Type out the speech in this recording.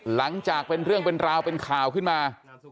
หลังจากเป็นเรื่องเป็นราวเป็นข่าวขึ้นมา